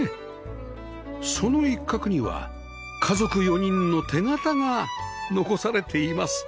その一角には家族４人の手形が残されています